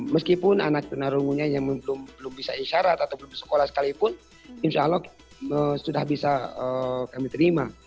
meskipun anak tunarungunya yang belum bisa isyarat atau belum sekolah sekalipun insya allah sudah bisa kami terima